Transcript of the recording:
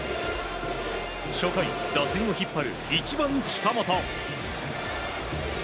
初回、打線を引っ張る１番、近本。